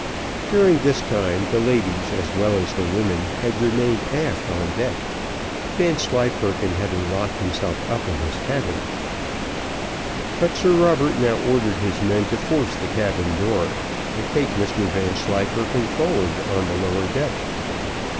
During this time the ladies, as well as the women, had remained aft on deck, Vanslyperken having locked himself up in his cabin; but Sir Robert now ordered his men to force the cabin door, and take Mr Vanslyperken forward on the lower deck.